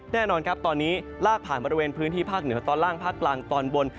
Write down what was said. แน่นอนครับตอนนี้ลากผ่านบริเวณพื้นที่ภาคเหนือตอนล่างภาคกลางตอนบน